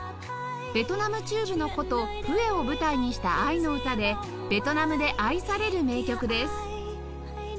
ベトナム中部の古都フエを舞台にした愛の歌でベトナムで愛される名曲です